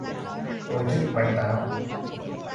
tôi thích bánh táo